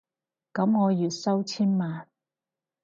噉我月入千萬